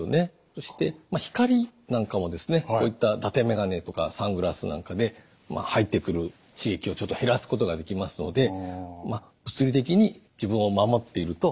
そして光なんかもですねこういっただてメガネとかサングラスなんかで入ってくる刺激をちょっと減らすことができますので物理的に自分を守っていると